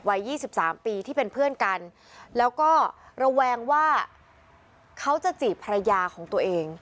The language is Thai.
๒๓ปีที่เป็นเพื่อนกันแล้วก็ระแวงว่าเขาจะจีบภรรยาของตัวเอง